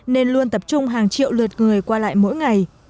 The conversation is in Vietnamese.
nên luôn tập trung hàng triệu lượt người qua lại mỗi ngày